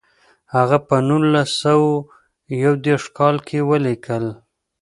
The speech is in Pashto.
هغه په نولس سوه یو دېرش کال کې ولیکل.